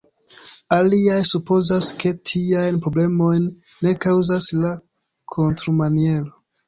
Aliaj supozas, ke tiajn problemojn ne kaŭzas la konstrumaniero.